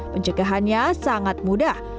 penjagaannya sangat mudah